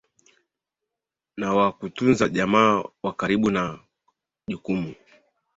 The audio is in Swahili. na kuwatunza jamaa wa karibu ni jukumu